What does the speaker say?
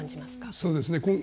そうですね。